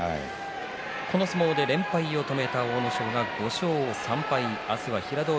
この相撲で連敗を止めた阿武咲、５勝３敗です。